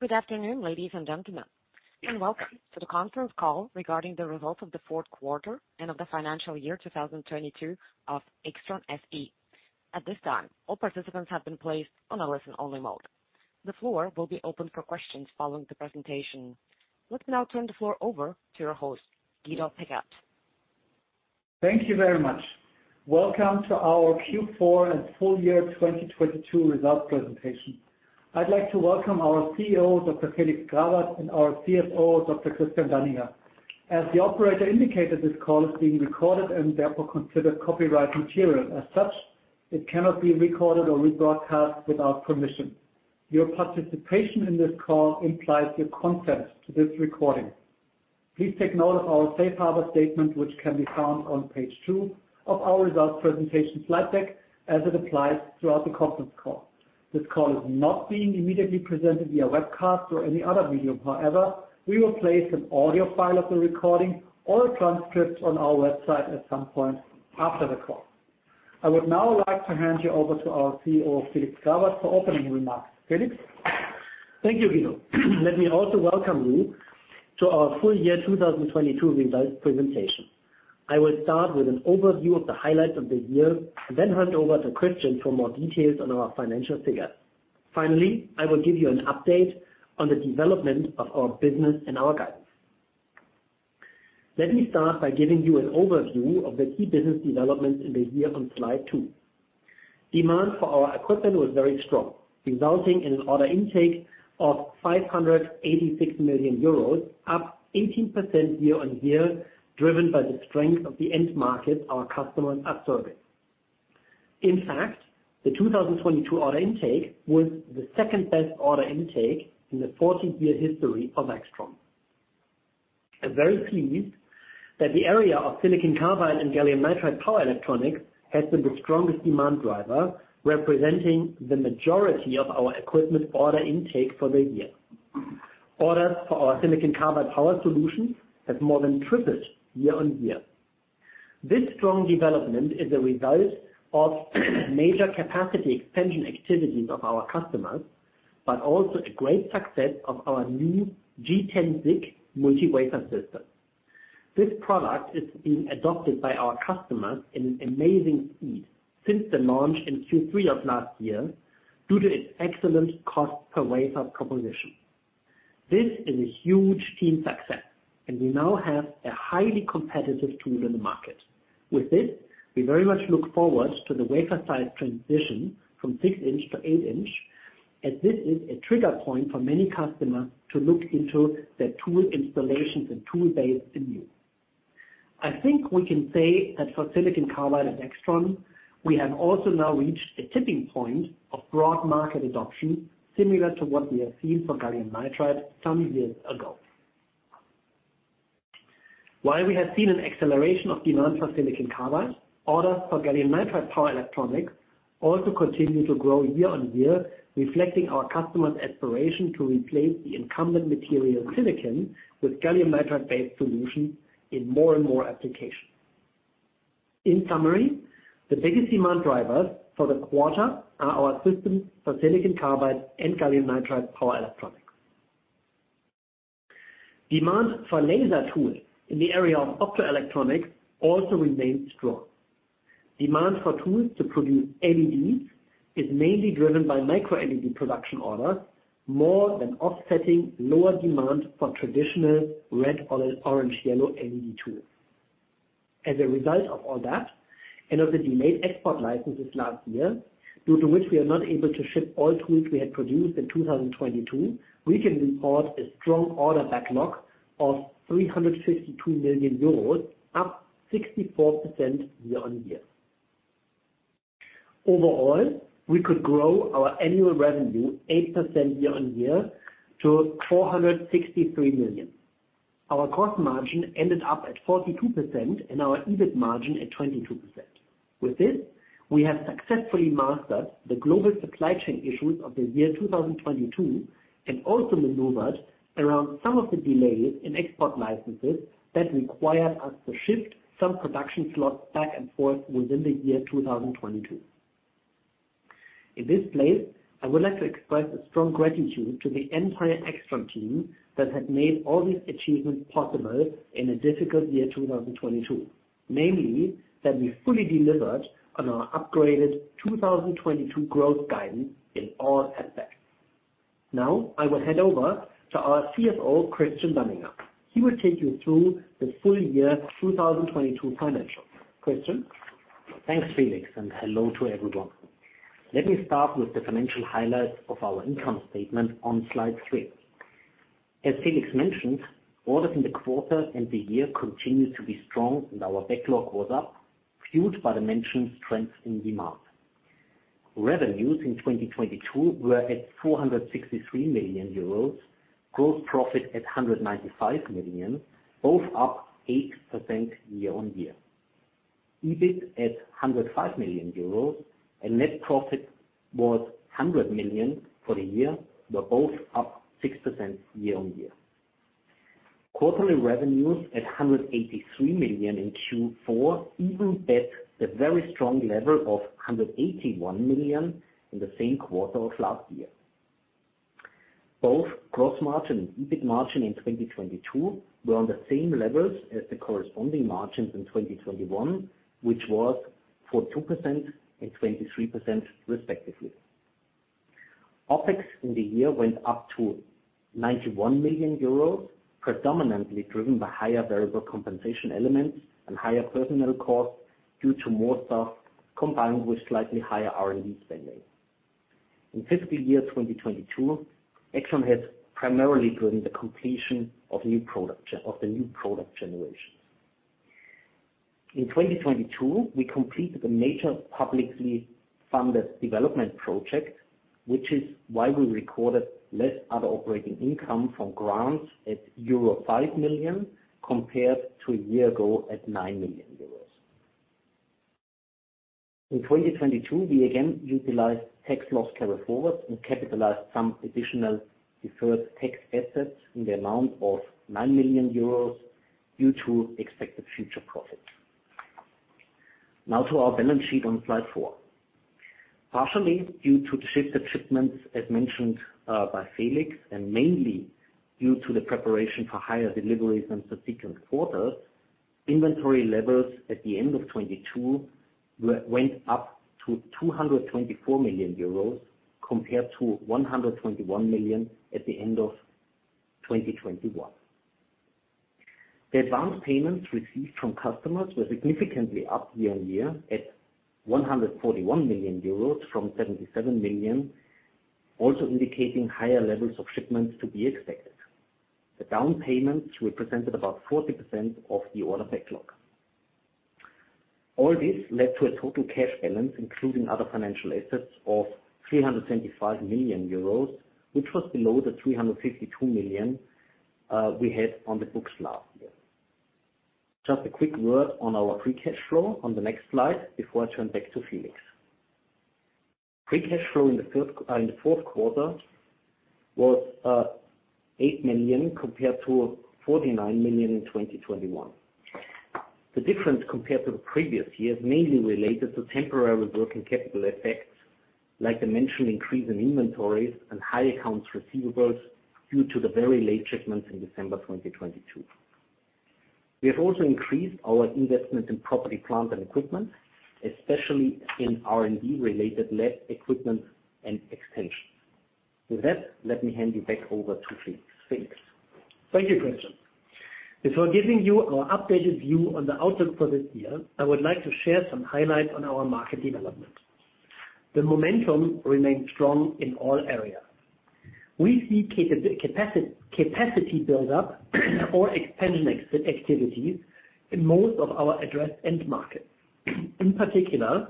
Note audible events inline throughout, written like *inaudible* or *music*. Good afternoon, ladies and gentlemen, and welcome to the conference call regarding the results of the fourth quarter and of the financial year 2022 of AIXTRON SE. At this time, all participants have been placed on a listen-only mode. The floor will be open for questions following the presentation. Let's now turn the floor over to your host, Guido Pickert. Thank you very much. Welcome to our Q4 and full year 2022 results presentation. I'd like to welcome our CEO, Dr. Felix Grawert, and our CFO, Dr. Christian Danninger. As the operator indicated, this call is being recorded and therefore considered copyright material. As such, it cannot be recorded or broadcast without permission. Your participation in this call implies your consent to this recording. Please take note of our safe harbor statement, which can be found on page two of our results presentation slide deck, as it applies throughout the conference call. This call is not being immediately presented via webcast or any other medium. We will place an audio file of the recording or a transcript on our website at some point after the call. I would now like to hand you over to our CEO, Felix Grawert, for opening remarks. Felix. Thank you, Guido. Let me also welcome you to our full year 2022 results presentation. I will start with an overview of the highlights of the year and then hand over to Christian for more details on our financial figures. Finally, I will give you an update on the development of our business and our guidance. Let me start by giving you an overview of the key business developments in the year on slide two. Demand for our equipment was very strong, resulting in an order intake of 586 million euros, up 18% year-on-year, driven by the strength of the end market our customers are serving. In fact, the 2022 order intake was the second-best order intake in the 40-year history of AIXTRON. I'm very pleased that the area of silicon carbide and gallium nitride power electronics has been the strongest demand driver, representing the majority of our equipment order intake for the year. Orders for our silicon carbide power solutions have more than tripled year-on-year. This strong development is a result of major capacity expansion activities of our customers. Also a great success of our new G10-SiC Multi-wafer system. This product is being adopted by our customers in an amazing speed since the launch in Q3 of last year due to its excellent cost per wafer composition. This is a huge team success. We now have a highly competitive tool in the market. With this, we very much look forward to the wafer size transition from 6 in to 8 in, as this is a trigger point for many customers to look into their tool installations and tool-based SIMUs. I think we can say that for silicon carbide at AIXTRON, we have also now reached a tipping point of broad market adoption, similar to what we have seen for gallium nitride some years ago. While we have seen an acceleration of demand for silicon carbide, orders for gallium nitride power electronics also continue to grow year-on-year, reflecting our customers' aspiration to replace the incumbent material silicon with gallium nitride-based solutions in more and more applications. In summary, the biggest demand drivers for the quarter are our systems for silicon carbide and gallium nitride power electronics. Demand for laser tools in the area of optoelectronics also remains strong. Demand for tools to produce LEDs is mainly driven by MicroLED production orders, more than offsetting lower demand for traditional red/orange/yellow LED tools. As a result of all that and of the delayed export licenses last year, due to which we are not able to ship all tools we had produced in 2022, we can report a strong order backlog of 352 million euros, up 64% year-over-year. Overall, we could grow our annual revenue 8% year-over-year to 463 million. Our cost margin ended up at 42% and our EBIT margin at 22%. With this, we have successfully mastered the global supply chain issues of the year 2022 and also maneuvered around some of the delays in export licenses that required us to shift some production slots back and forth within the year 2022. In this place, I would like to express a strong gratitude to the entire AIXTRON team that had made all these achievements possible in a difficult year, 2022. Namely, that we fully delivered on our upgraded 2022 growth guidance in all aspects. I will hand over to our CFO, Christian Danninger. He will take you through the full year 2022 financials. Christian. Thanks, Felix, and hello to everyone. Let me start with the financial highlights of our income statement on slide three. As Felix mentioned, orders in the quarter and the year continued to be strong and our backlog was up, fueled by the mentioned trends in demand. Revenues in 2022 were at 463 million euros. Gross profit at 195 million, both up 8% year-over-year. EBIT at 105 million euros and net profit was 100 million for the year, were both up 6% year-over-year. Quarterly revenues at 183 million in Q4, even at the very strong level of 181 million in the same quarter of last year. Both gross margin and EBIT margin in 2022 were on the same levels as the corresponding margins in 2021, which was for 2% and 23% respectively. OpEx in the year went up to 91 million euros, predominantly driven by higher variable compensation elements and higher personnel costs due to more staff, combined with slightly higher R&D spending. In fiscal year 2022, AIXTRON has primarily driven the completion of new product generations. In 2022, we completed a major publicly funded development project, which is why we recorded less other operating income from grants at euro 5 million compared to a year ago at 9 million euros. In 2022, we again utilized tax loss carryforwards and capitalized some additional deferred tax assets in the amount of 9 million euros due to expected future profits. Now to our balance sheet on slide four. Partially due to the shift of shipments as mentioned, by Felix, and mainly due to the preparation for higher deliveries in subsequent quarters, inventory levels at the end of 2022 went up to 224 million euros compared to 121 million at the end of 2021. The advanced payments received from customers were significantly up year on year at 141 million euros from 77 million, also indicating higher levels of shipments to be expected. The down payments represented about 40% of the order backlog. All this led to a total cash balance, including other financial assets, of 375 million euros, which was below the 352 million we had on the books last year. Just a quick word on our free cash flow on the next slide before I turn back to Felix. Free cash flow in the fourth quarter was 8 million compared to 49 million in 2021. The difference compared to the previous year is mainly related to temporary working capital effects, like the mentioned increase in inventories and high accounts receivables due to the very late shipments in December 2022. We have also increased our investment in property, plant, and equipment, especially in R&D related lab equipment and extension. With that, let me hand you back over to Felix. Felix? Thank you, Christian. Before giving you our updated view on the outlook for this year, I would like to share some highlights on our market development. The momentum remains strong in all areas. We see capacity build up or expansion activities in most of our addressed end markets. In particular,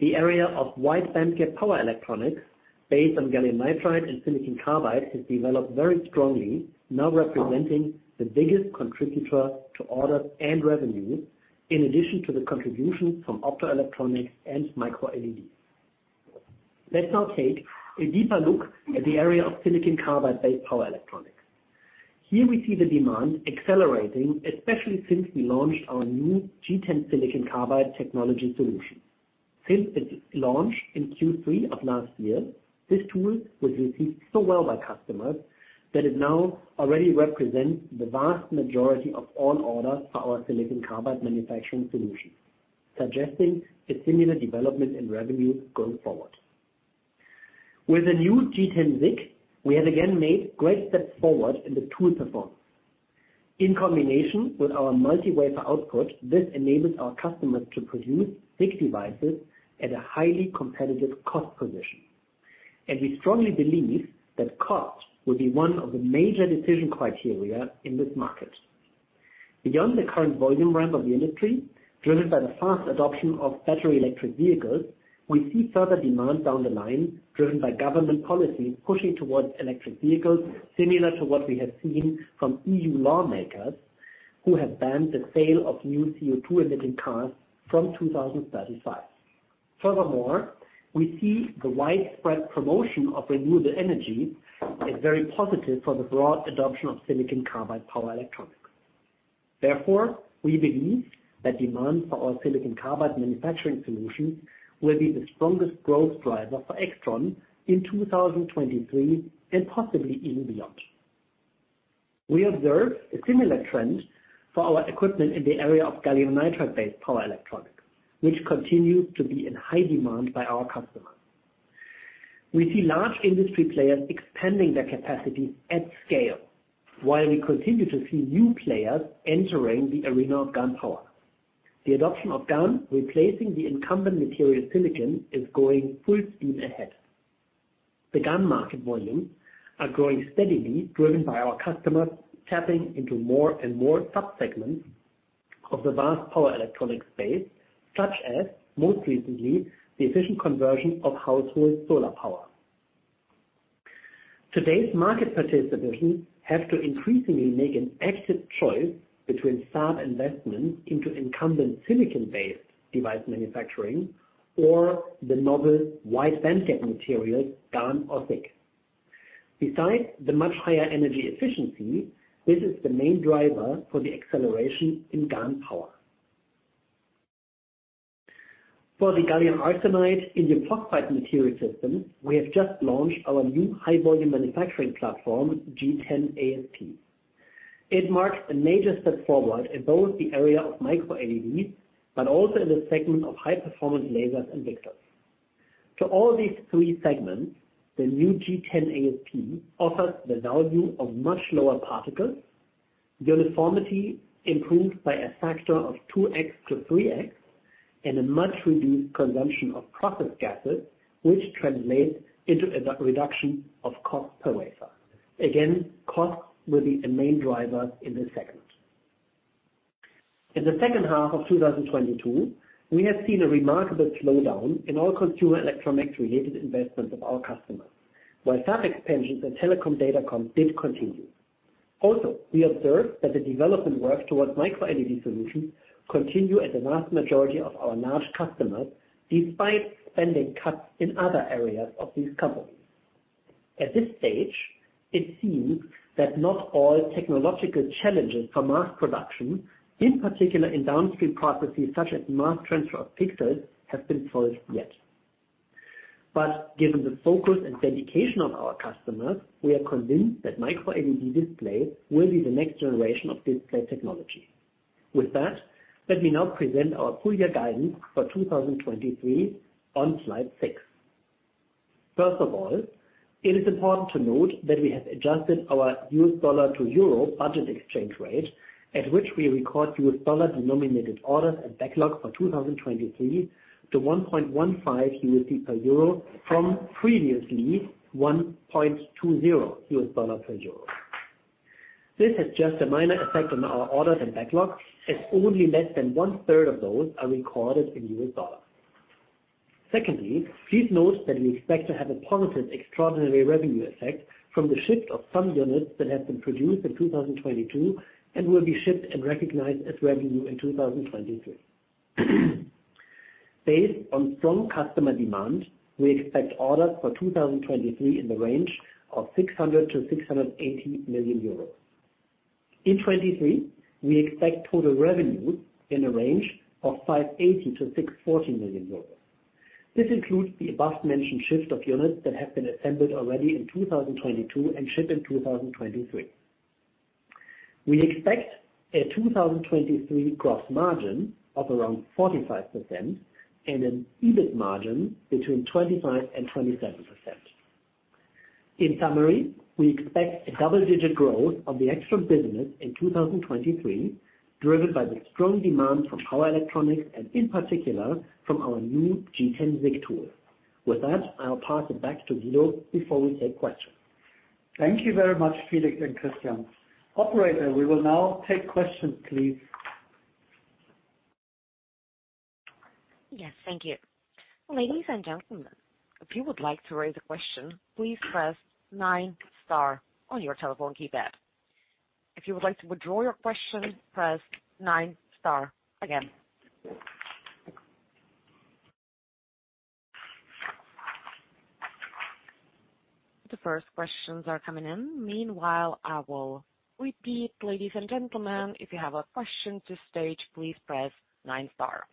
the area of wide-bandgap power electronics based on gallium nitride and silicon carbide has developed very strongly, now representing the biggest contributor to orders and revenues, in addition to the contribution from optoelectronics and MicroLEDs. Let's now take a deeper look at the area of silicon carbide-based power electronics. Here we see the demand accelerating, especially since we launched our new G10 silicon carbide technology solution. Since its launch in Q3 of last year, this tool was received so well by customers that it now already represents the vast majority of all orders for our silicon carbide manufacturing solutions, suggesting a similar development in revenue going forward. With the new G10-SiC, we have again made great steps forward in the tool performance. In combination with our multi-wafer output, this enables our customers to produce SiC devices at a highly competitive cost position. We strongly believe that cost will be one of the major decision criteria in this market. Beyond the current volume ramp of the industry, driven by the fast adoption of battery electric vehicles, we see further demand down the line, driven by government policies pushing towards electric vehicles, similar to what we have seen from EU lawmakers who have banned the sale of new CO2 emitting cars from 2035. Furthermore, we see the widespread promotion of renewable energy as very positive for the broad adoption of silicon carbide power electronics. We believe that demand for our silicon carbide manufacturing solutions will be the strongest growth driver for AIXTRON in 2023, and possibly even beyond. We observe a similar trend for our equipment in the area of gallium nitride-based power electronics, which continue to be in high demand by our customers. We see large industry players expanding their capacities at scale, while we continue to see new players entering the arena of GaN power. The adoption of GaN replacing the incumbent material silicon is going full speed ahead. The GaN market volumes are growing steadily, driven by our customers tapping into more and more sub-segments of the vast power electronics space, such as, most recently, the efficient conversion of household solar power. Today's market participants have to increasingly make an active choice between fab investments into incumbent silicon-based device manufacturing or the novel wide-bandgap materials, GaN or SiC. Besides the much higher energy efficiency, this is the main driver for the acceleration in GaN power. For the gallium arsenide indium phosphide material system, we have just launched our new high-volume manufacturing platform, G10-AsP. It marks a major step forward in both the area of MicroLEDs, but also in the segment of high performance lasers and VCSELs. To all these three segments, the new G10-AsP offers the value of much lower particles, uniformity improved by a factor of 2x to 3x, and a much reduced consumption of process gases, which translates into a reduction of cost per wafer. Cost will be a main driver in this segment. In the second half of 2022, we have seen a remarkable slowdown in all consumer electronics related investments of our customers, while fab expansions and telecom datacom did continue. We observed that the development work towards MicroLED solutions continue at the vast majority of our large customers despite spending cuts in other areas of these companies. At this stage, it seems that not all technological challenges for mass production, in particular in downstream processes such as mass transfer of pixels, have been solved yet. Given the focus and dedication of our customers, we are convinced that MicroLED display will be the next generation of display technology. With that, let me now present our full year guidance for 2023 on slide six. First of all, it is important to note that we have adjusted our U.S. dollar to euro budget exchange rate at which we record U.S. dollar denominated orders and backlog for 2023 to $1.15 per euro from previously $1.20 per euro. This has just a minor effect on our orders and backlog, as only less than 1/3 of those are recorded in U.S. dollars. Secondly, please note that we expect to have a positive extraordinary revenue effect from the shift of some units that have been produced in 2022 and will be shipped and recognized as revenue in 2023. Based on strong customer demand, we expect orders for 2023 in the range of 600 million-680 million euros. In 2023, we expect total revenue in a range of 580 million-640 million euros. This includes the above-mentioned shift of units that have been assembled already in 2022 and shipped in 2023. We expect a 2023 gross margin of around 45% and an EBIT margin between 25% and 27%. In summary, we expect a double-digit growth of the AIXTRON business in 2023, driven by the strong demand from power electronics and in particular from our new G10-SiC tool. With that, I'll pass it back to Guido before we take questions. Thank you very much, Felix and Christian. Operator, we will now take questions, please. Yes, thank you. Ladies and gentlemen, if you would like to raise a question, please press nine star on your telephone keypad. If you would like to withdraw your question, press nine star again. The first questions are coming in. Meanwhile, I will repeat. Ladies and gentlemen, if you have a question to stage, please press nine star.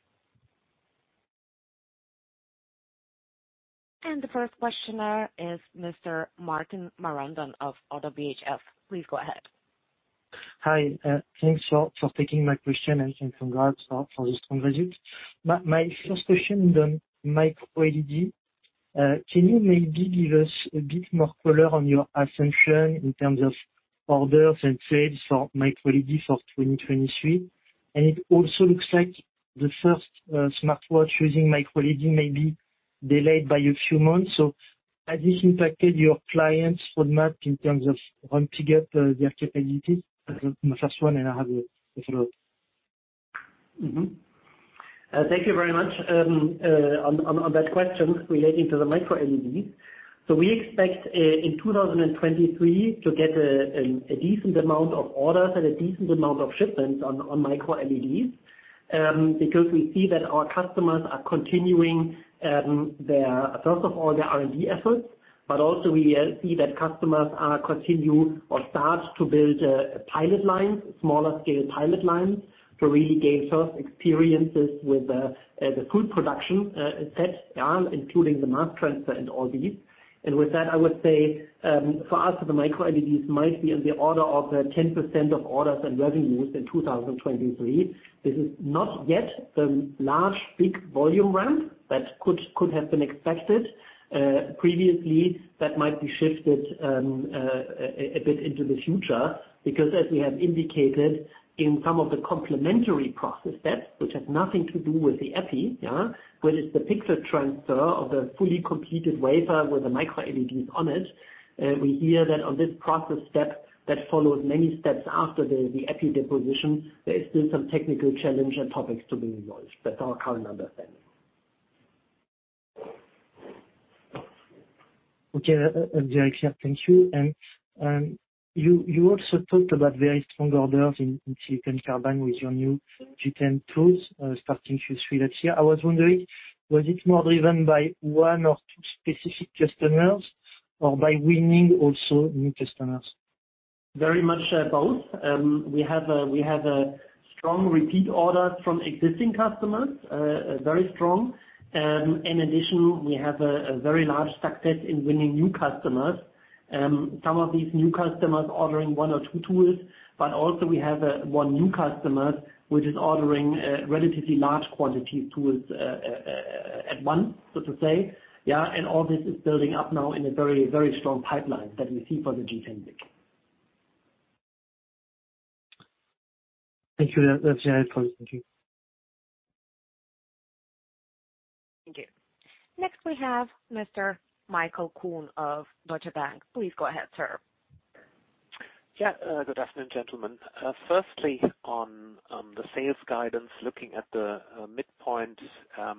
The first questioner is Mr. Martin Marandon-Carlhian of ODDO BHF. Please go ahead. Hi, thanks for taking my question and congrats for the strong results. My first question is on MicroLED. Can you maybe give us a bit more color on your assumption in terms of orders and sales for MicroLED for 2023? It also looks like the first smartwatch using MicroLED may be delayed by a few months. Has this impacted your clients' roadmap in terms of ramping up their capabilities? That's my first one, and I have a follow-up. Thank you very much. On that question relating to the MicroLEDs. We expect in 2023 to get a decent amount of orders and a decent amount of shipments on MicroLEDs because we see that our customers are continuing their, first of all, their R&D efforts. Also we see that customers are continue or start to build pilot lines, smaller scale pilot lines to really gain first experiences with the full production set, yeah, including the mass transfer and all these. With that, I would say, for us, the MicroLEDs might be in the order of 10% of orders and revenues in 2023. This is not yet the large, big volume ramp that could have been expected previously. That might be shifted, a bit into the future, because as we have indicated in some of the complementary process steps, which has nothing to do with the epi, yeah, but it's the pixel transfer of the fully completed wafer with the MicroLEDs on it. We hear that on this process step that follows many steps after the epi deposition, there is still some technical challenge and topics to be resolved. That's our current understanding. Okay. Very clear. Thank you. You also talked about very strong orders in silicon carbide with your new G10 tools, starting Q3 last year. I was wondering, was it more driven by one or two specific customers or by winning also new customers? Very much, both. We have a strong repeat orders from existing customers, very strong. In addition, we have a very large success in winning new customers. Some of these new customers are ordering one or two tools, but also we have one new customer which is ordering relatively large quantity tools at once, so to say. All this is building up now in a very, very strong pipeline that we see for the G10 SiC. Thank you. That's very helpful. Thank you. Thank you. Next, we have Mr. Michael Kuhn of Deutsche Bank. Please go ahead, sir. Good afternoon, gentlemen. Firstly, on the sales guidance, looking at the midpoint, I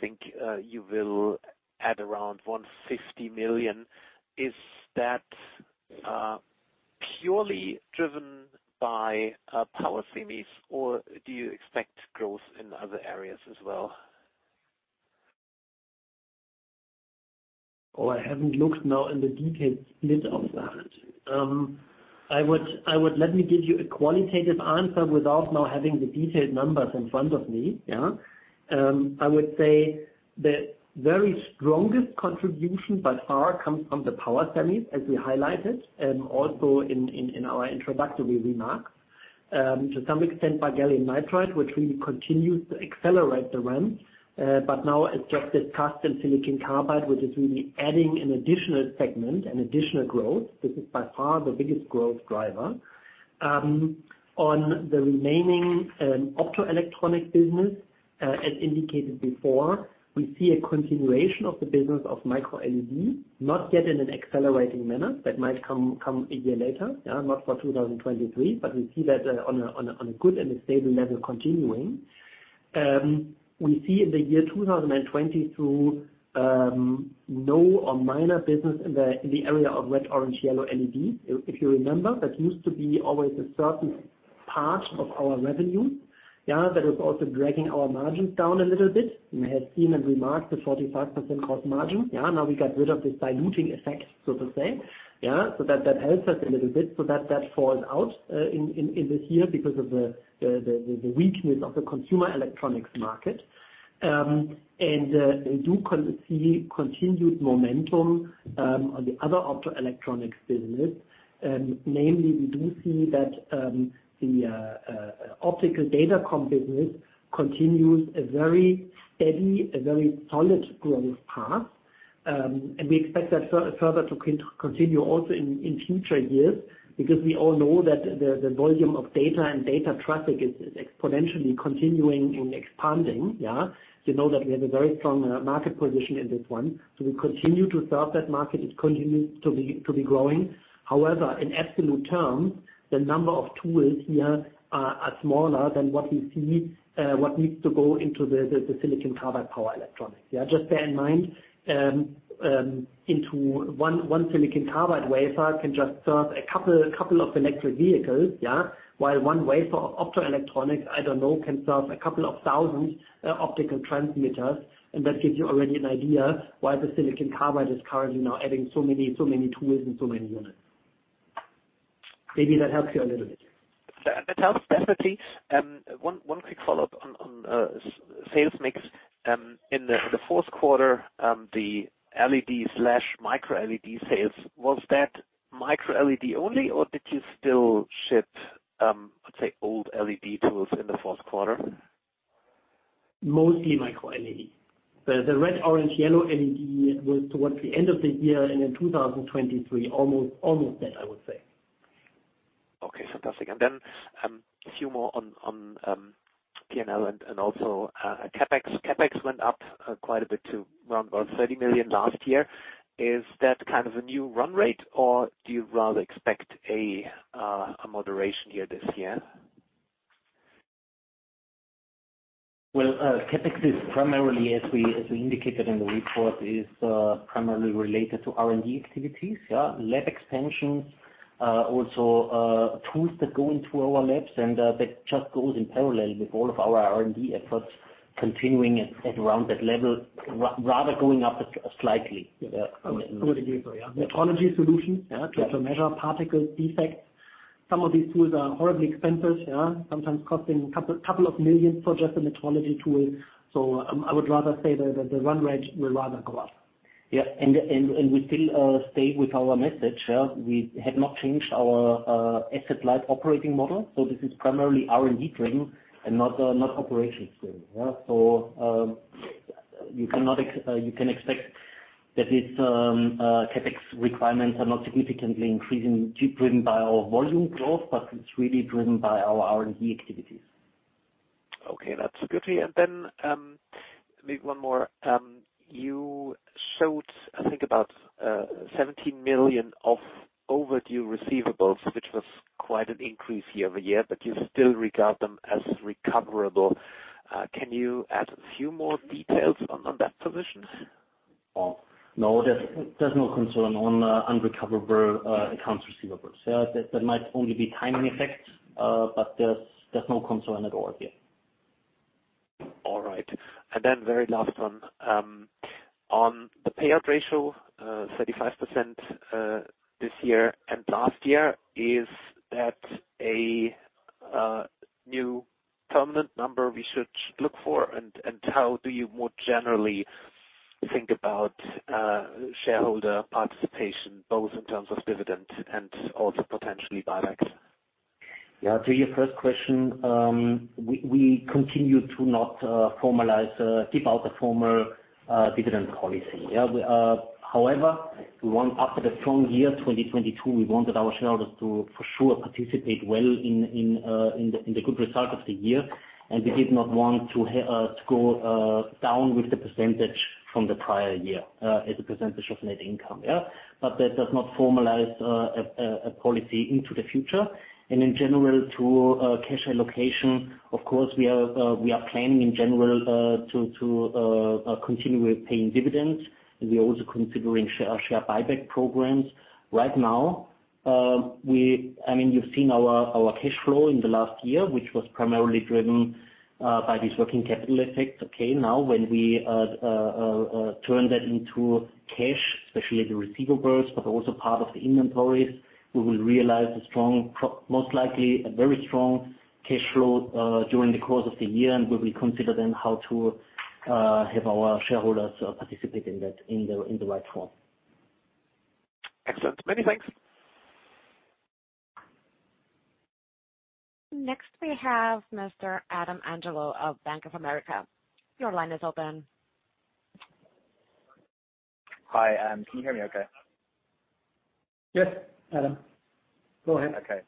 think you will add around 150 million. Is that purely driven by power semis, or do you expect growth in other areas as well? I haven't looked now in the detailed split of that. Let me give you a qualitative answer without now having the detailed numbers in front of me, yeah. I would say the very strongest contribution by far comes from the power semis, as we highlighted, also in our introductory remarks. To some extent by gallium nitride, which we continue to accelerate the ramp. Now as just discussed in silicon carbide, which is really adding an additional segment, an additional growth. This is by far the biggest growth driver. On the remaining optoelectronic business, as indicated before, we see a continuation of the business of MicroLED, not yet in an accelerating manner. That might come a year later, yeah. Not for 2023, we see that on a good and a stable level continuing. We see in the year 2022 no or minor business in the area of red/orange/yellow LED. If you remember, that used to be always a certain part of our revenue, yeah. That is also dragging our margins down a little bit. You may have seen and remarked the 45% cost margin. Yeah. Now we got rid of this diluting effect, so to say. Yeah. That helps us a little bit. That falls out in this year because of the weakness of the consumer electronics market. We do see continued momentum on the other optoelectronics business. Namely, we do see that the optical datacom business continues a very steady, a very solid growth path. We expect that further to continue also in future years, because we all know that the volume of data and data traffic is exponentially continuing and expanding, yeah. You know that we have a very strong market position in this one. We continue to serve that market. It continues to be growing. However, in absolute terms, the number of tools here are smaller than what we see, what needs to go into the silicon carbide power electronics, yeah. Just bear in mind, one silicon carbide wafer can just serve a couple of electric vehicles, yeah. While one wafer of optoelectronics, I don't know, can serve a couple of thousand optical transmitters. That gives you already an idea why the silicon carbide is currently now adding so many tools and so many units. Maybe that helps you a little bit. That helps definitely. One quick follow-up on sales mix. In the fourth quarter, the LED/MicroLED sales, was that MicroLED only, or did you still ship, let's say, old LED tools in the fourth quarter? Mostly MicroLED. The red/orange/yellow LED was towards the end of the year and in 2023. Almost dead, I would say. Okay. Fantastic. Then, a few more on P&L and also CapEx. CapEx went up quite a bit to around 30 million last year. Is that kind of a new run rate, or do you rather expect a moderation here this year? Well, CapEx is primarily as we indicated in the report, is primarily related to R&D activities. Yeah. Lab expansions, also, tools that go into our labs, and that just goes in parallel with all of our R&D efforts continuing at around that level. Rather going up slightly, yeah. Metrology solution, yeah. To measure particle defects. Some of these tools are horribly expensive, yeah. Sometimes costing a couple of million for just a metrology tool. I would rather say that the run rate will rather go up. Yeah. We still stay with our message. We have not changed our asset light operating model, this is primarily R&D driven and not operations driven. Yeah. You can expect that it's CapEx requirements are not significantly increasing driven by our volume growth, but it's really driven by our R&D activities. Okay, that's good to hear. Maybe one more. You showed, I think about, 17 million of overdue receivables, which was quite an increase year-over-year, but you still regard them as recoverable. Can you add a few more details on that position? No, there's no concern on unrecoverable accounts receivables. That might only be timing effects, but there's no concern at all there. All right. Then very last one. On the payout ratio, 35% this year and last year, is that a new permanent number we should look for? How do you more generally think about shareholder participation, both in terms of dividends and also potentially buybacks? Yeah. To your first question, we continue to not formalize give out a formal dividend policy, yeah. However, after the strong year, 2022, we wanted our shareholders to, for sure, participate well in the good result of the year. We did not want to go down with the percentage from the prior year as a percentage of net income, yeah. That does not formalize a policy into the future. In general to cash allocation, of course, we are planning in general to continue with paying dividends, and we are also considering share buyback programs. Right now, I mean, you've seen our cash flow in the last year, which was primarily driven by these working capital effects, okay. When we turn that into cash, especially at the receivable burst, but also part of the inventories, we will realize a strong most likely a very strong cash flow during the course of the year, and we will consider then how to have our shareholders participate in that in the right form. Excellent. Many thanks. Next, we have Mr. Adam Angelov of Bank of America. Your line is open. Hi. Can you hear me okay? Yes, Adam. Go ahead. Okay.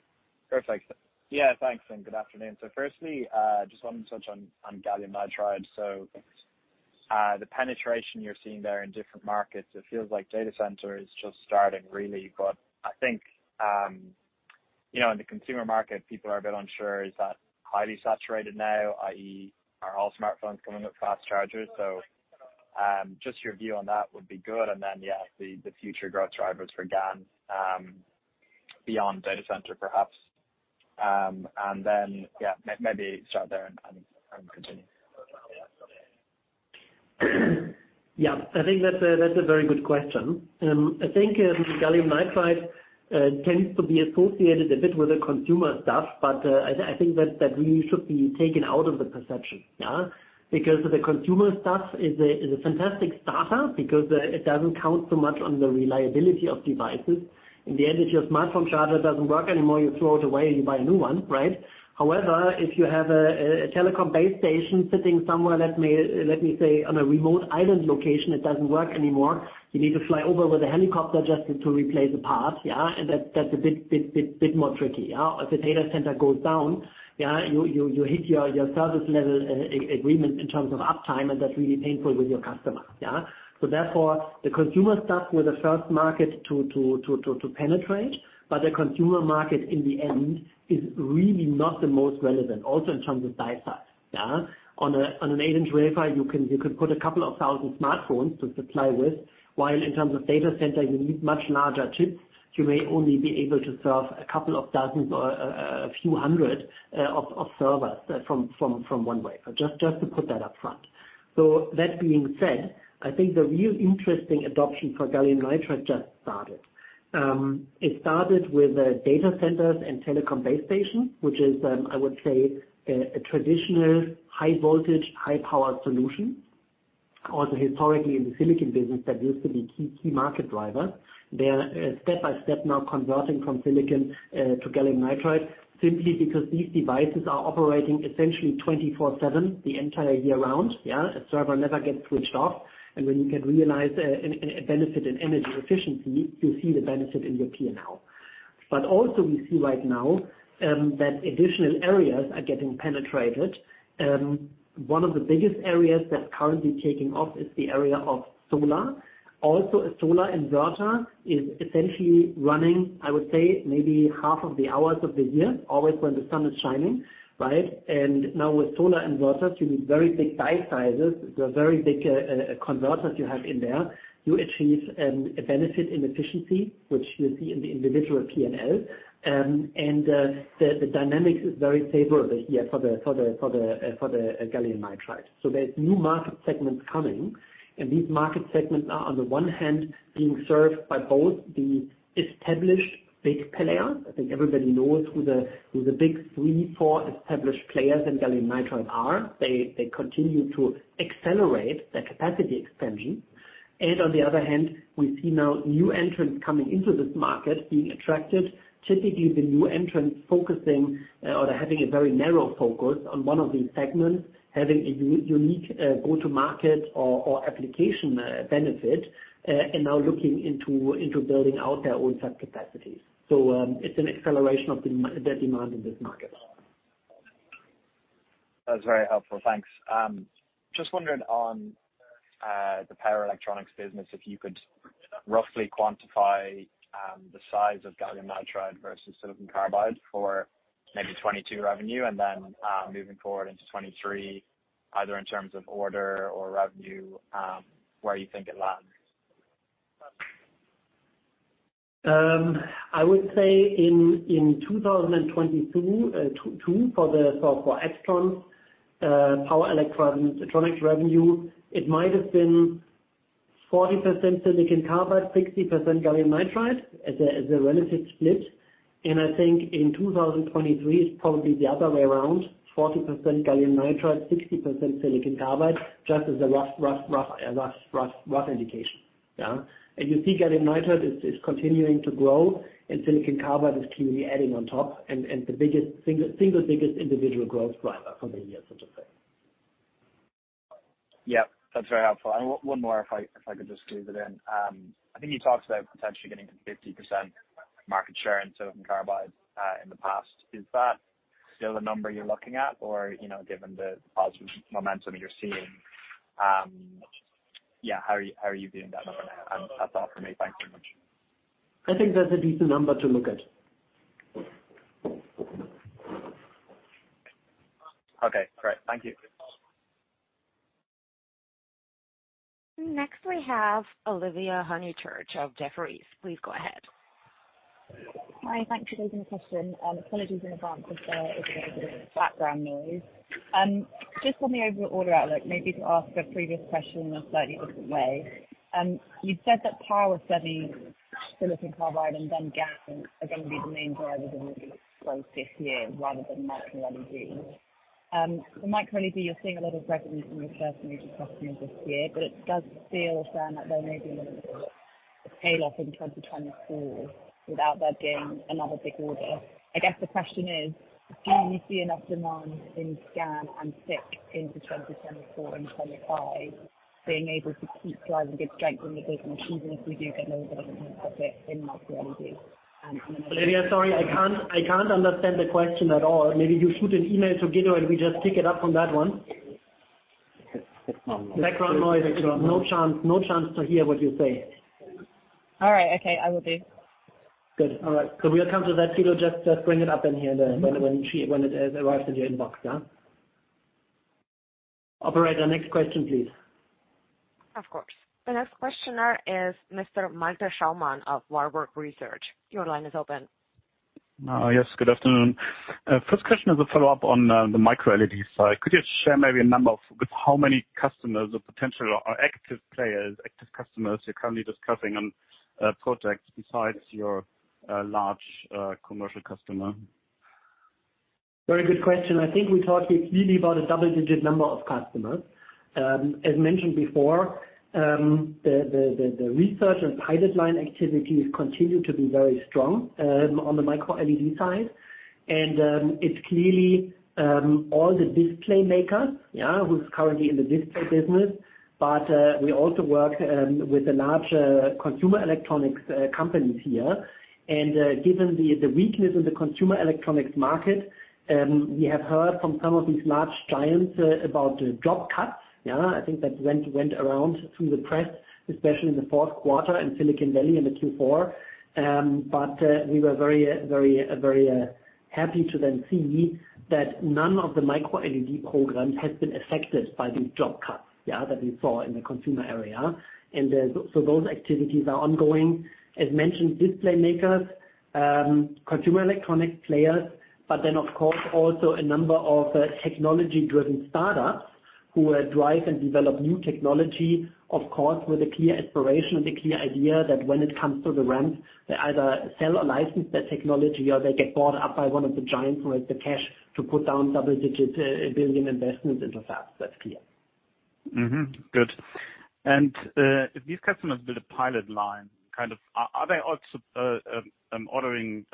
Perfect. Yeah, thanks, and good afternoon. Firstly, just one touch on gallium nitride. The penetration you're seeing there in different markets, it feels like data center is just starting really. I think, you know, in the consumer market, people are a bit unsure. Is that highly saturated now, i.e., are all smartphones coming with fast chargers? Just your view on that would be good. Then, yeah, the future growth drivers for GaN, beyond data center perhaps. Then, yeah, maybe start there and continue. I think that's a very good question. I think gallium nitride tends to be associated a bit with the consumer stuff, I think that really should be taken out of the perception, yeah. The consumer stuff is a fantastic starter because it doesn't count so much on the reliability of devices. In the end, if your smartphone charger doesn't work anymore, you throw it away and you buy a new one, right? If you have a telecom base station sitting somewhere, let me say on a remote island location, it doesn't work anymore, you need to fly over with a helicopter just to replace a part, yeah, that's a bit more tricky, yeah. If the data center goes down, yeah, you hit your service level agreement in terms of uptime, and that's really painful with your customer, yeah. Therefore, the consumer stuff were the first market to penetrate, but the consumer market in the end is really not the most relevant, also in terms of die size, yeah. On an 8 in wafer, you can put a couple of 1,000 smartphones to supply with, while in terms of data center, you need much larger chips. You may only be able to serve a couple of dozens or a few hundred of servers from one wafer. Just to put that up front. That being said, I think the real interesting adoption for gallium nitride just started. It started with data centers and telecom base stations, which is, I would say, a traditional high voltage, high power solution. Also historically in the silicon business, that used to be key market driver. They are step by step now converting from silicon to gallium nitride simply because these devices are operating essentially 24/7 the entire year round. A server never gets switched off. When you can realize a benefit in energy efficiency, you see the benefit in your P&L. Also we see right now that additional areas are getting penetrated. One of the biggest areas that's currently taking off is the area of solar. Also a solar inverter is essentially running, I would say, maybe half of the hours of the year, always when the sun is shining, right? Now with solar inverters, you need very big die sizes. They're very big converters you have in there. You achieve a benefit in efficiency, which you see in the individual P&L. The dynamics is very favorable here for the gallium nitride. There's new market segments coming, and these market segments are on the one hand being served by both the established big players. I think everybody knows who the big three, four established players in gallium nitride are. They continue to accelerate their capacity expansion. On the other hand, we see now new entrants coming into this market being attracted. Typically, the new entrants focusing or they're having a very narrow focus on one of these segments, having a unique, go to market or application, benefit, and now looking into building out their own fab capacities. It's an acceleration of the demand in this market. That's very helpful. Thanks. Just wondering on the power electronics business, if you could roughly quantify the size of gallium nitride versus silicon carbide for maybe 2022 revenue and then, moving forward into 2023, either in terms of order or revenue, where you think it lands. I would say in 2022, so for AIXTRON power electronics revenue, it might have been 40% silicon carbide, 60% gallium nitride as a relative split. I think in 2023, it's probably the other way around, 40% gallium nitride, 60% silicon carbide, just as a rough indication. Yeah. You see gallium nitride is continuing to grow, and silicon carbide is clearly adding on top. The biggest single biggest individual growth driver for the year, so to say. Yeah. That's very helpful. One more, if I could just squeeze it in. I think you talked about potentially getting to 50% market share in silicon carbide, in the past. Is that still the number you're looking at? You know, given the positive momentum you're seeing, yeah, how are you viewing that number now? That's all for me. Thanks very much. I think that's a decent number to look at. Okay, great. Thank you. Next we have Olivia Honychurch of Jefferies. Please go ahead. Hi. Thanks for taking the question. Apologies in advance if there is a bit of background noise. Just on the overall order outlook, maybe to ask a previous question in a slightly different way. You said that power saving silicon carbide and then GaN are gonna be the main drivers of growth this year rather than MicroLED. The MicroLED, you're seeing a lot of revenue from your first major customer this year, but it does feel as though that there may be a little bit of a payoff in 2024 without there being another big order. I guess the question is, do you see enough demand in GaN and SiC into 2024 and 2025 being able to keep driving good strength in the business, even if we do get a little bit of a head start in MicroLED? Olivia, sorry, I can't understand the question at all. Maybe you shoot an email to Guido, and we just pick it up from that one. It's online. Background noise. No chance, no chance to hear what you say. All right. Okay, I will do. Good. All right. We'll come to that. Guido just bring it up in here then when it arrives in your inbox, yeah? Operator, next question, please. Of course. The next questioner is Mr. Malte Schaumann of Warburg Research. Your line is open. Yes, good afternoon. First question is a follow-up on the MicroLED side. Could you share maybe a number of with how many customers or potential or active players, active customers you're currently discussing on projects besides your large commercial customer? Very good question. I think we're talking clearly about a double-digit number of customers. As mentioned before, the research and pilot line activities continue to be very strong on the MicroLED side. It's clearly all the display makers, yeah, who's currently in the display business. We also work with the large consumer electronics companies here. Given the weakness in the consumer electronics market, we have heard from some of these large giants about job cuts. Yeah, I think that went around through the press, especially in the fourth quarter in Silicon Valley in the Q4. We were very happy to then see that none of the MicroLED programs has been affected by these job cuts, yeah, that we saw in the consumer area. Those activities are ongoing. As mentioned, display makers, consumer electronics players, of course, also a number of technology-driven startups who drive and develop new technology, of course, with a clear aspiration and a clear idea that when it comes to the rent, they either sell or license their technology, or they get bought up by one of the giants who has the cash to put down double-digit billion investments into fab. That's clear. Mm-hmm. Good. If these customers build a pilot line, kind of are they also ordering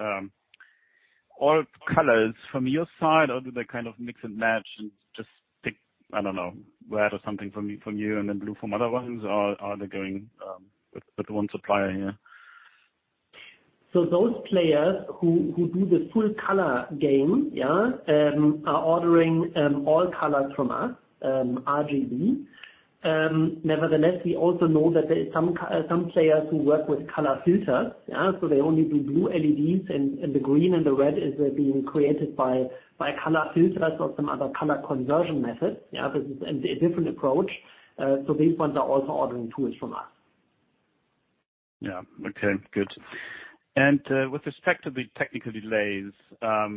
all colors from your side or do they kind of mix and match and just pick, I don't know, red or something from you and then blue from other ones, or are they going with one supplier here? Those players who do the full color game, yeah, are ordering all colors from us, RGB. Nevertheless, we also know that there is some players who work with color filters. Yeah. They only do blue LEDs and the green and the red is being created by color filters or some other color conversion method. Yeah. This is a different approach. These ones are also ordering tools from us. Yeah. Okay, good. With respect to the technical delays,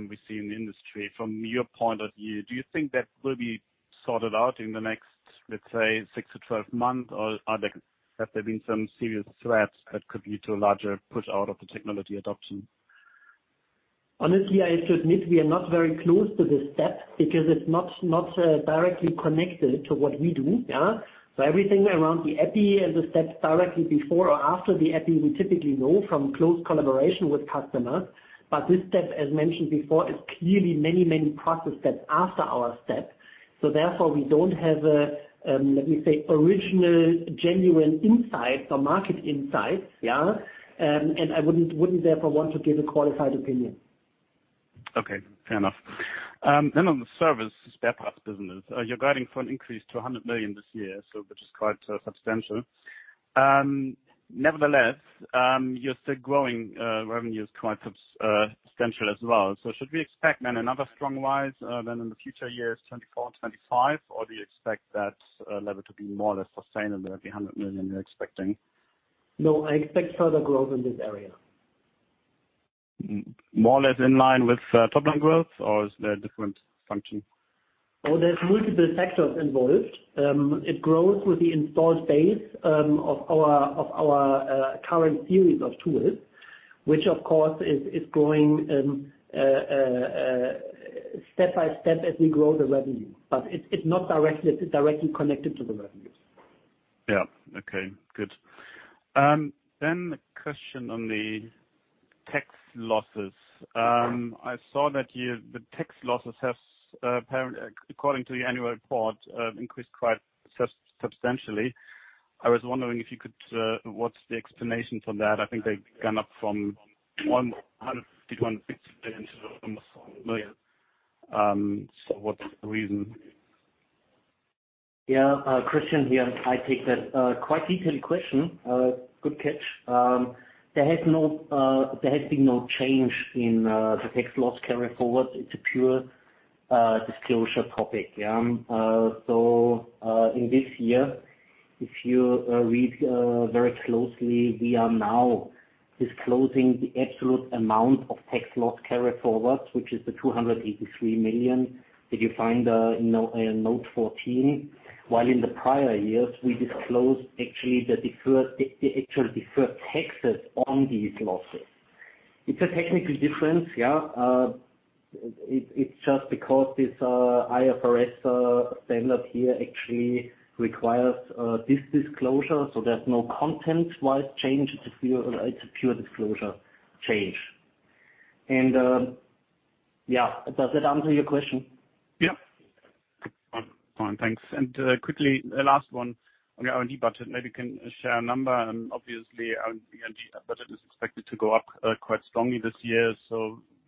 we see in the industry, from your point of view, do you think that will be sorted out in the next, let's say, six to 12 months? Or have there been some serious threats that could lead to a larger push out of the technology adoption? Honestly, I should admit we are not very close to this step because it's not directly connected to what we do. Yeah. Everything around the epi and the steps directly before or after the epi, we typically know from close collaboration with customers. This step, as mentioned before, is clearly many process steps after our step. Therefore, we don't have a, let me say, original, genuine insight or market insight. Yeah. I wouldn't therefore want to give a qualified opinion. Okay. Fair enough. On the service spare parts business, you're guiding for an increase to 100 million this year, which is quite substantial. Nevertheless, you're still growing revenues quite substantial as well. Should we expect then another strong rise then in the future years, 2024, 2025? Do you expect that level to be more or less sustainable at the 100 million you're expecting? No, I expect further growth in this area. More or less in line with top line growth or is there a different function? Oh, there's multiple factors involved. It grows with the installed base of our current series of tools, which of course is growing step by step as we grow the revenue. It's not directly connected to the revenues. Okay, good. A question on the tax losses. I saw that the tax losses have, according to the annual report, increased quite substantially. I was wondering if you could, what's the explanation for that? I think they've gone up from 150 million. *audio distortion* What's the reason? Yeah. Christian here. I take that quite detailed question. Good catch. There has no, there has been no change in the tax loss carryforward. It's a pure disclosure topic, yeah. In this year, if you read very closely, we are now disclosing the absolute amount of tax loss carryforward, which is the 283 million that you find in note 14. While in the prior years, we disclosed actually the deferred, the actual deferred taxes on these losses. It's a technical difference, yeah. It's just because this IFRS standard here actually requires this disclosure, so there's no content-wise change. It's a pure, it's a pure disclosure change. Yeah. Does that answer your question? Yeah. Fine. Thanks. Quickly, a last one on your R&D budget. Maybe you can share a number. Obviously, R&D budget is expected to go up quite strongly this year.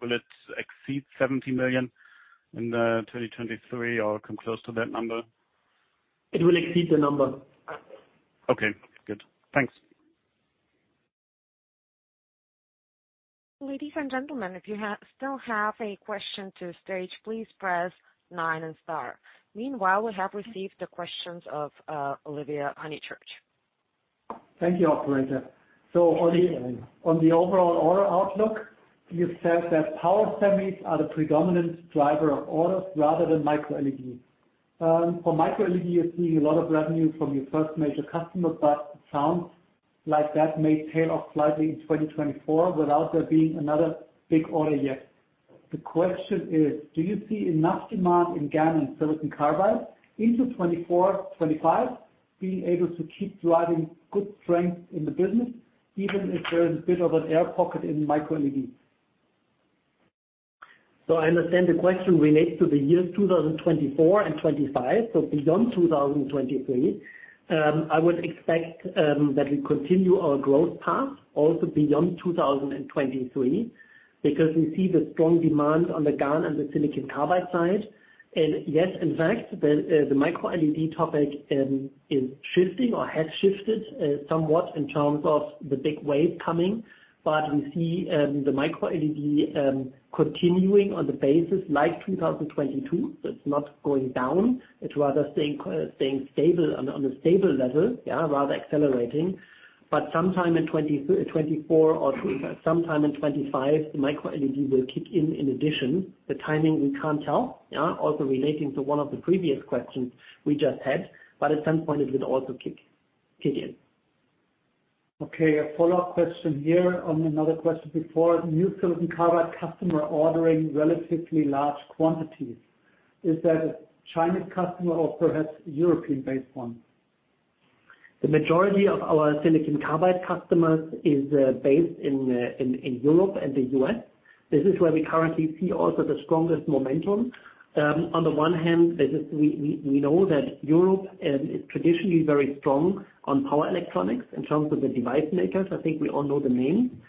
Will it exceed 70 million in 2023 or come close to that number? It will exceed the number. Okay, good. Thanks. Ladies and gentlemen, if you still have a question to stage, please press nine and star. Meanwhile, we have received the questions of Olivia Honychurch. Thank you, operator. On the overall order outlook, you said that power semis are the predominant driver of orders rather than MicroLED. For MicroLED, you're seeing a lot of revenue from your first major customer, but it sounds like that may tail off slightly in 2024 without there being another big order yet. The question is, do you see enough demand in GaN and silicon carbide into 2024, 2025 being able to keep driving good strength in the business, even if there's a bit of an air pocket in MicroLED? I understand the question relates to the years 2024 and 2025, beyond 2023. I would expect that we continue our growth path also beyond 2023 because we see the strong demand on the GaN and the silicon carbide side. Yes, in fact, the MicroLED topic is shifting or has shifted somewhat in terms of the big wave coming. We see the MicroLED continuing on the basis like 2022. It's not going down. It's rather staying stable on a stable level, yeah, rather accelerating. Sometime in 2024 or sometime in 2025, the MicroLED will kick in in addition. The timing we can't tell, yeah, also relating to one of the previous questions we just had, but at some point it will also kick in. Okay. A follow-up question here on another question before. New silicon carbide customer ordering relatively large quantities. Is that a Chinese customer or perhaps European-based one? The majority of our silicon carbide customers is based in Europe and the U.S. This is where we currently see also the strongest momentum. On the one hand, we know that Europe is traditionally very strong on power electronics in terms of the device makers. I think we all know the name.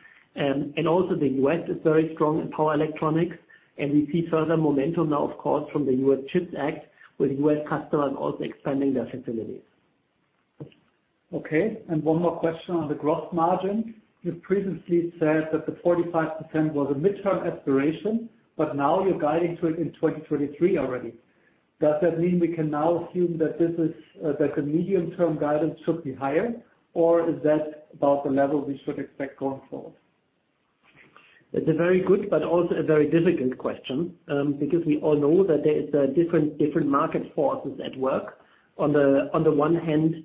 Also the U.S. is very strong in power electronics, and we see further momentum now, of course, from the U.S. Chips Act, with U.S. customers also expanding their facilities. Okay. One more question on the growth margin. You previously said that the 45% was a midterm aspiration, but now you're guiding to it in 2023 already. Does that mean we can now assume that this is, that the medium-term guidance should be higher, or is that about the level we should expect going forward? It's a very good but also a very difficult question, because we all know that there is different market forces at work. On the, on the one hand,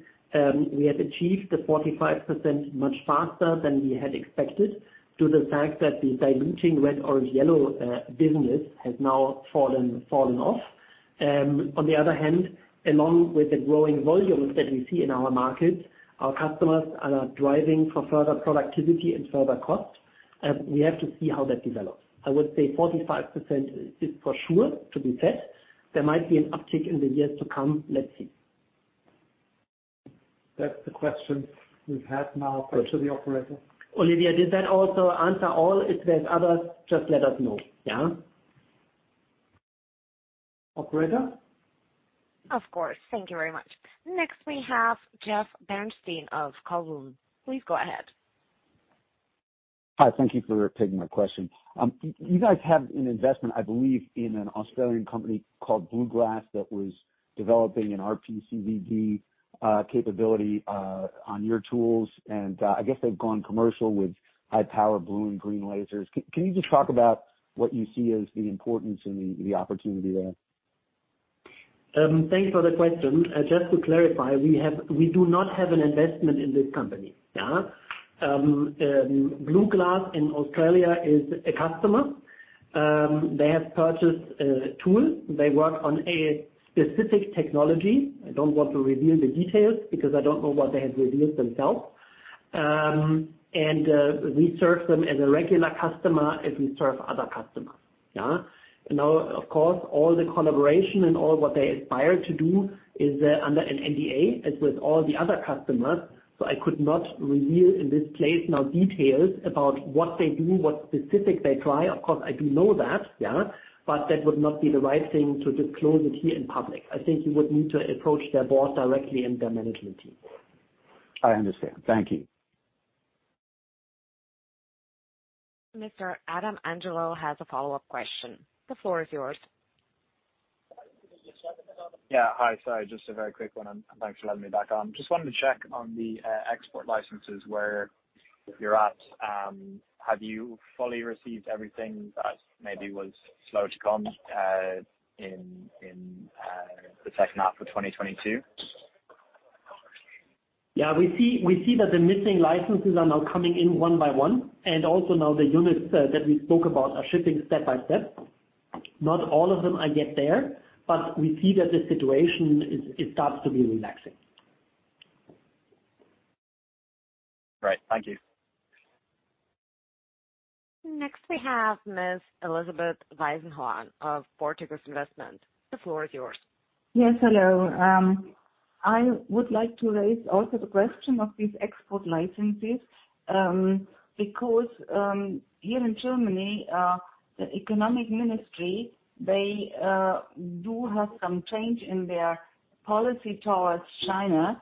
we have achieved the 45% much faster than we had expected due to the fact that the diluting red, orange, yellow business has now fallen off. On the other hand, along with the growing volumes that we see in our markets, our customers are driving for further productivity and further cost. We have to see how that develops. I would say 45% is for sure to be set. There might be an uptick in the years to come. Let's see. That's the questions we have now. Good. back to the operator. Olivia, did that also answer all? If there's others, just let us know. Yeah. Operator? Of course. Thank you very much. Next, we have Jeff Bernstein of Cowen. Please go ahead. Hi. Thank you for taking my question. You guys have an investment, I believe, in an Australian company called BluGlass that was developing an RPCVD capability on your tools, I guess they've gone commercial with high power blue and green lasers. Can you just talk about what you see as the importance and the opportunity there? Thanks for the question. Just to clarify, we do not have an investment in this company. BluGlass in Australia is a customer. They have purchased tools. They work on a specific technology. I don't want to reveal the details because I don't know what they have revealed themselves. We serve them as a regular customer as we serve other customers. Now, of course, all the collaboration and all what they aspire to do is under an NDA, as with all the other customers. I could not reveal in this place now details about what they do, what specific they try. Of course, I do know that, but that would not be the right thing to disclose it here in public. I think you would need to approach their board directly and their management team. I understand. Thank you. Mr. Adam Angelov has a follow-up question. The floor is yours. Yeah. Hi. Sorry. Just a very quick one, and thanks for letting me back on. Just wanted to check on the export licenses where you're at. Have you fully received everything that maybe was slow to come in the second half of 2022? Yeah, we see that the missing licenses are now coming in one by one. Also now the units that we spoke about are shipping step by step. Not all of them are yet there. We see that the situation is, it starts to be relaxing. Great. Thank you. Next, we have Ms. Elisabeth Weisenhorn of Porticus Investment. The floor is yours. Yes. Hello. I would like to raise also the question of these export licenses, because here in Germany, the economic ministry, they do have some change in their policy towards China.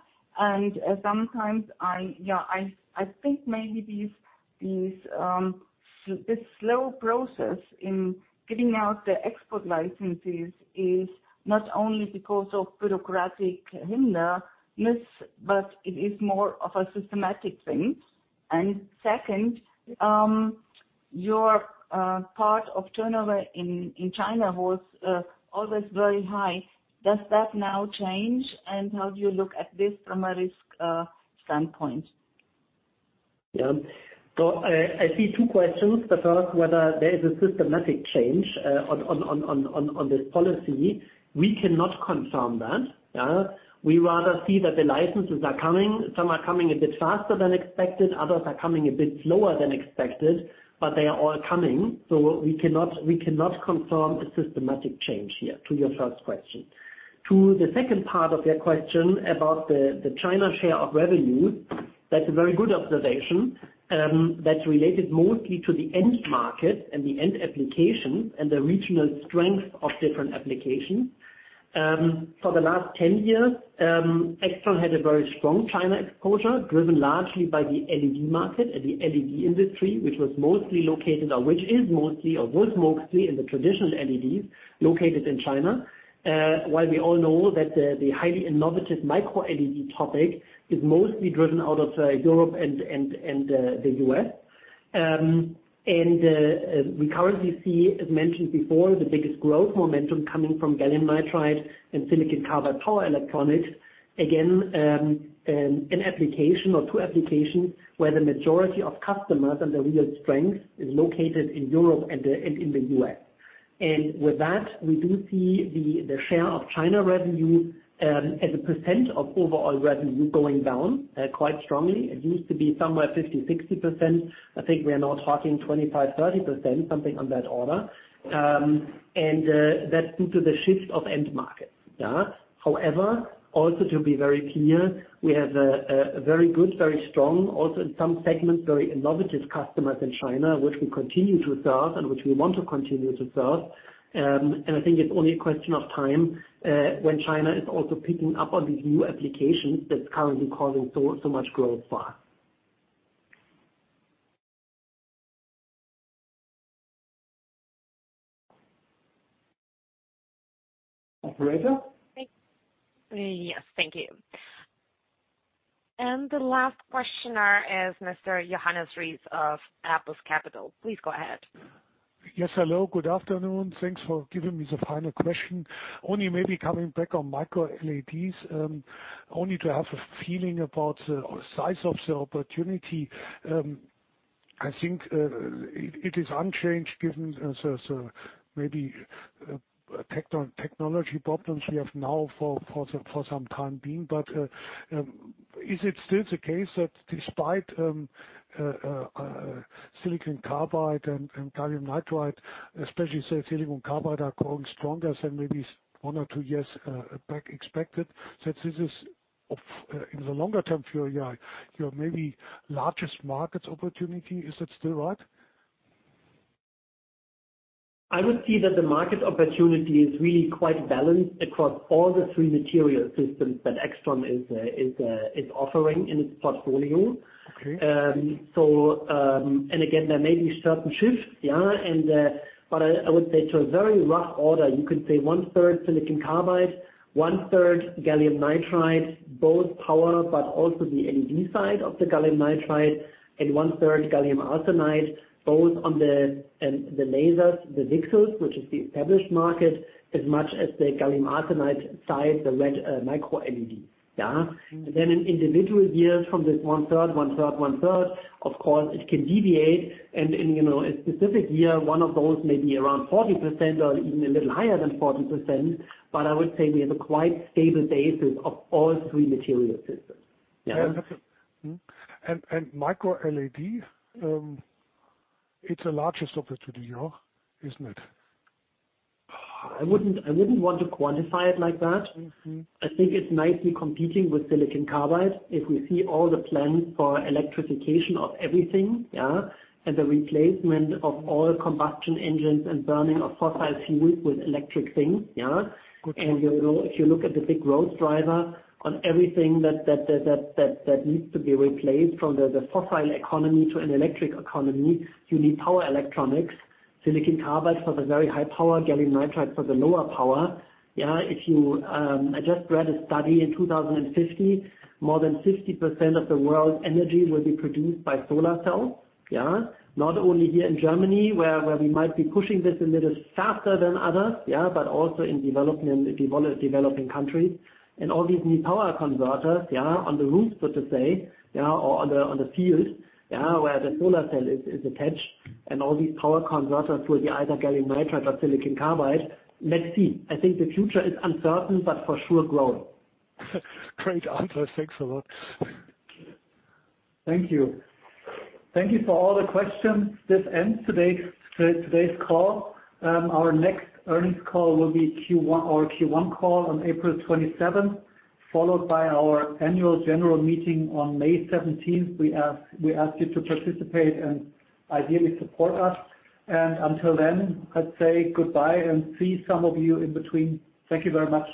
Sometimes I, yeah, I think maybe these, this slow process in giving out the export licenses is not only because of bureaucratic hindrance, but it is more of a systematic thing. Second, your part of turnover in China was always very high. Does that now change? How do you look at this from a risk standpoint? I see two questions. The first, whether there is a systematic change on this policy. We cannot confirm that. We rather see that the licenses are coming. Some are coming a bit faster than expected, others are coming a bit slower than expected, but they are all coming. We cannot confirm a systematic change here to your first question. To the second part of your question about the China share of revenue, that's a very good observation, that's related mostly to the end market and the end application and the regional strength of different applications. For the last 10 years, AIXTRON had a very strong China exposure, driven largely by the LED market and the LED industry, which was mostly located or which is mostly or was mostly in the traditional LEDs located in China. While we all know that the highly innovative MicroLED topic is mostly driven out of Europe and the U.S. We currently see, as mentioned before, the biggest growth momentum coming from gallium nitride and silicon carbide power electronics. Again, an application or two applications where the majority of customers and the real strength is located in Europe and in the U.S. With that, we do see the share of China revenue as a percent of overall revenue going down quite strongly. It used to be somewhere 50%-60%. I think we are now talking 25%, 30%, something on that order. That's due to the shift of end market. Yeah. However, also to be very clear, we have a very good, very strong, also in some segments, very innovative customers in China, which we continue to serve and which we want to continue to serve. I think it's only a question of time, when China is also picking up on these new applications that's currently causing so much growth for us. Operator? Yes. Thank you. The last questioner is Mr. Johannes Ries of Apus Capital. Please go ahead. Yes. Hello. Good afternoon. Thanks for giving me the final question. Only maybe coming back on MicroLEDs, only to have a feeling about the size of the opportunity. I think it is unchanged given so maybe technology problems we have now for some time being. Is it still the case that despite silicon carbide and gallium nitride, especially silicon carbide are growing stronger than maybe one or two years back expected, that this is in the longer term for your maybe largest markets opportunity? Is that still right? I would see that the market opportunity is really quite balanced across all the three material systems that AIXTRON is offering in its portfolio. Again, there may be certain shifts, yeah. But I would say to a very rough order, you could say 1/3 silicon carbide, 1/3 gallium nitride, both power, but also the LED side of the gallium nitride, and 1/3 gallium arsenide, both on the lasers, the VCSELs, which is the established market, as much as the gallium arsenide side, the red MicroLED. Yeah. In individual years from this 1/3, 1/3, 1/3, of course it can deviate. In, you know, a specific year, one of those may be around 40% or even a little higher than 40%. I would say we have a quite stable basis of all three material systems. Yeah. MicroLED, it's the largest opportunity here, isn't it? I wouldn't want to quantify it like that. Mm-hmm. I think it's nicely competing with silicon carbide. If we see all the plans for electrification of everything, yeah, and the replacement of all combustion engines and burning of fossil fuels with electric things, yeah. Okay. You know, if you look at the big growth driver on everything that needs to be replaced from the fossil economy to an electric economy, you need power electronics. silicon carbide for the very high power, gallium nitride for the lower power. Yeah. If you, I just read a study in 2050, more than 50% of the world's energy will be produced by solar cells, yeah. Not only here in Germany, where we might be pushing this a little faster than others, yeah, but also in developing countries. All these need power converters, yeah, on the roof, so to say, yeah, or on the field, yeah, where the solar cell is attached. All these power converters will be either gallium nitride or silicon carbide. Let's see. I think the future is uncertain, but for sure growth. Great answer. Thanks a lot. Thank you. Thank you. Thank you for all the questions. This ends today's call. Our next earnings call will be Q1, our Q1 call on April 27th, followed by our annual general meeting on May 17th. We ask you to participate and ideally support us. Until then, I'd say goodbye and see some of you in between. Thank you very much.